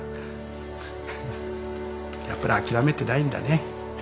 やっぱり諦めてないんだね